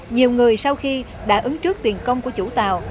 nhiều người sau khi đã ứng trước tiền công của chủ tàu